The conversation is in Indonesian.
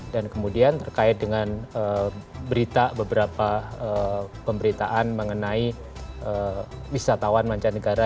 dan kemudian terkait dengan berita beberapa pemberitaan mengenai wisatawan mancanegara